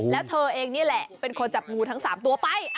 แล้วเธอเองนี่แหละเป็นคนจับงูทั้ง๓ตัวไป